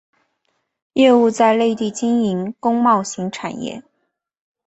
业务在内地经营工贸型产业。